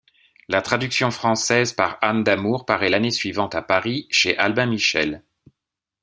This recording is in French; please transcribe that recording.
La traduction française par Anne Damour paraît l'année suivante à Paris chez Albin Michel.